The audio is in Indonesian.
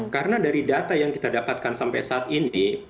karena dari data yang kita dapatkan sampai saat ini